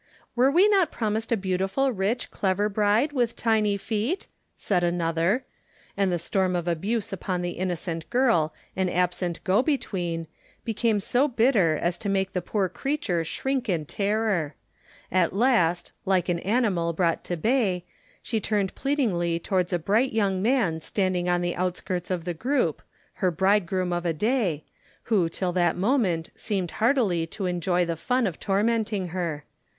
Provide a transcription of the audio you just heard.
"Were we not promised a beautiful, rich, clever, bride, with tiny feet?" said another. And the storm of abuse upon the innocent girl and absent "go between" became so bitter as to make the poor creature shrink in terror. At last, like an animal brought to bay, she turned pleadingly towards a bright young man standing on the outskirts of the group, her bridegroom of a day, who till that moment seemed heartily to enjoy the fun of tormenting her.